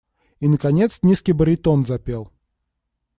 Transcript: И наконец низкий баритон запел.